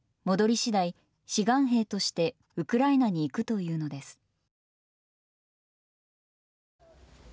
戻り次第、志願兵としてウクライナに行くというのです。